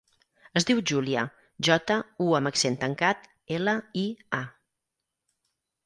Es diu Júlia: jota, u amb accent tancat, ela, i, a.